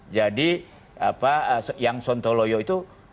jadi apa yang sontoloyo itu